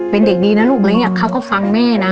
เป็นเด็กดีนะลูกมันอยากเข้าก็ฟังแม่นะ